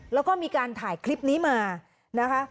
แล้วก็มีการถ่ายคลิปนี้มานะคะ